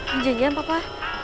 jangan jalan papa